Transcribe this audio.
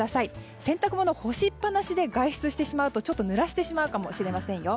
洗濯物干しっぱなしで外出してしまうと濡らしてしまうかもしれませんよ。